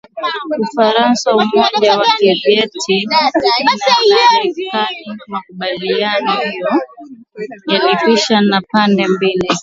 Ufaransa Umoja wa Kisovyeti na Marekani Makubaliano hayo yalisafisha njia na pande mbili za